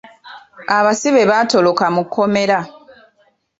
Abasibe baatoloka mu kkomera .